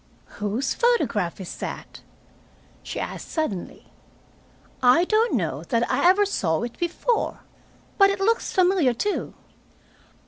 "Whose photograph is that?" she asked suddenly. "I don't know that I ever saw it before. But it looks familiar, too."